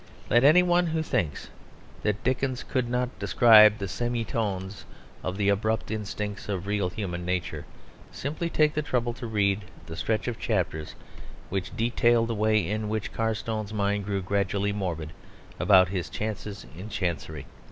Let anyone who thinks that Dickens could not describe the semi tones and the abrupt instincts of real human nature simply take the trouble to read the stretch of chapters which detail the way in which Carstone's mind grew gradually morbid about his chances in Chancery.